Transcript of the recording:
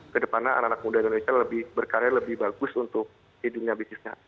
ke depannya anak anak muda indonesia lebih berkarya lebih bagus untuk hidupnya bisnisnya